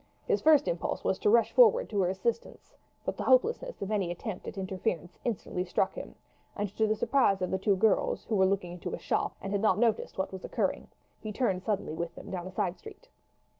His first impulse was to rush forward to her assistance, but the hopelessness of any attempt at interference instantly struck him, and to the surprise of the two girls, who were looking into a shop, and had not noticed what was occurring, he turned suddenly with them down a side street.